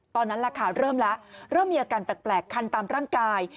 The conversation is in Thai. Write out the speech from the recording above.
ตอนนั้นราคาเริ่มแล้วเริ่มมีอาการแปลกคันตามร่างกาย